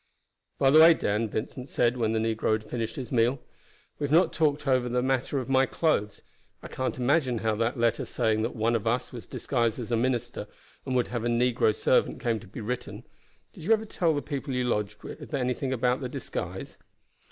"By the way, Dan," Vincent said when the negro had finished his meal, "we have not talked over that matter of my clothes. I can't imagine how that letter saying that one of us was disguised as a minister and would have a negro servant came to be written. Did you ever tell the people you lodged with anything about the disguise?"